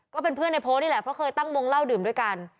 ก็เป็นเพื่อนในโพสต์นี่แหละเพราะเคยตั้งวงเล่าดื่มด้วยกัน